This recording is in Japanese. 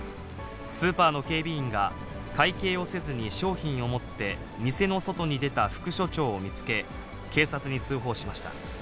スーパーの警備員が、会計をせずに商品を持って店の外に出た副署長を見つけ、警察に通報しました。